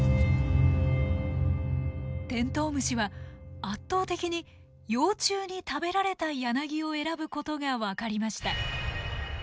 テントウムシは圧倒的に幼虫に食べられたヤナギを選ぶことが分かりました。